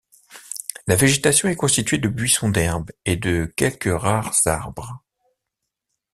La végétation est constitué de buissons, d'herbes et de quelques rares arbres.